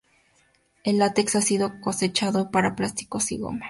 El látex ha sido cosechado para plásticos y goma.